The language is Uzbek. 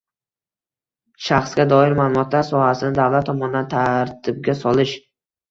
Shaxsga doir ma’lumotlar sohasini davlat tomonidan tartibga solish